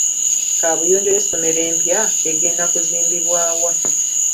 Kaabuyonjo y'essomero empya egenda kuzimbibwa wa?